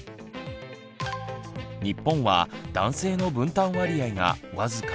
日本は男性の分担割合が僅か１５％。